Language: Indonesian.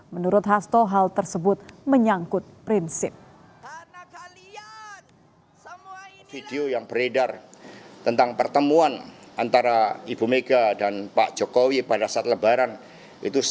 menurut hasto hal tersebut menyebut